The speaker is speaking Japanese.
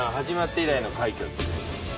始まって以来の快挙です。